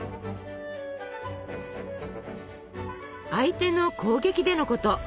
相手の攻撃でのこと。